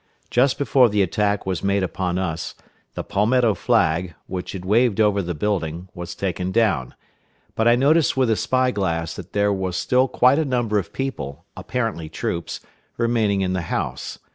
Just before the attack was made upon us, the Palmetto flag, which had waved over the building, was taken down; but I noticed with a spy glass that there was still quite a number of people, apparently troops, remaining in the house.